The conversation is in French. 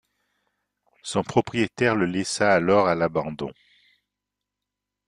Son propriétaire le laissa alors à l’abandon.